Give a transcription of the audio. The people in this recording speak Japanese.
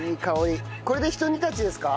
これでひと煮立ちですか？